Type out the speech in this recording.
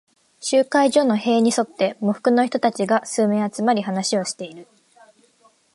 集会所の塀に沿って、喪服の人たちが数名集まり、話をしている。